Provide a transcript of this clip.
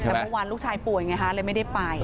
แต่เมื่อวานลูกชายป่วยไงฮะเลยไม่ได้ไป